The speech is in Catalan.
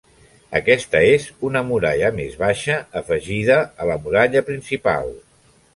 Aquesta és una muralla més baixa, afegida a la muralla principal.